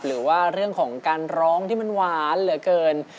หรือว่าเรื่องของการร้องที่มันหวานเหลือเกิน